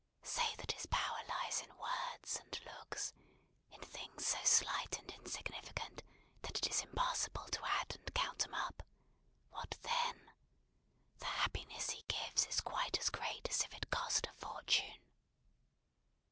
Say that his power lies in words and looks; in things so slight and insignificant that it is impossible to add and count 'em up: what then? The happiness he gives, is quite as great as if it cost a fortune."